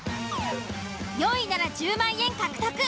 ４位なら１０万円獲得。